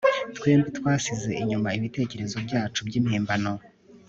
twembi twasize inyuma ibitekerezo byacu byimpimbano